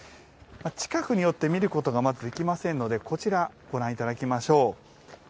近くに寄って見ることができませんので、こちらをご覧いただきましょう。